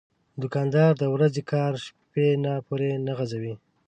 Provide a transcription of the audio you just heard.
دوکاندار د ورځې کار شپه نه پورې نه غځوي.